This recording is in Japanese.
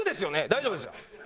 大丈夫ですか？